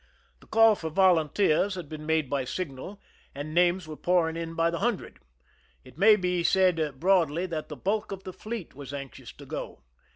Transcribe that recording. The call for volunteers had been made by signal, and names were pouring in by the hundred. It may be said broadly that the bulk of the fleet was anx ious to go.